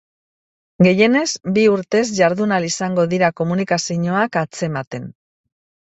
Gehienez, bi urtez jardun ahal izango dira komunikazioak atzematen.